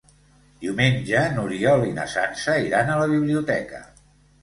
Diumenge n'Oriol i na Sança iran a la biblioteca.